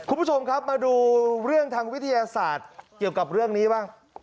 คุณผู้ชมครับมาดูเรื่องทางวิทยาศาสตร์เกี่ยวกับเรื่องนี้บ้าง